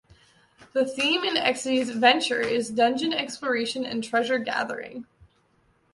The theme of Exidy's "Venture" is dungeon exploration and treasure-gathering.